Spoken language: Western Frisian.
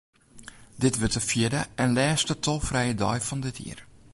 Dit wurdt de fjirde en lêste tolfrije dei fan dit jier.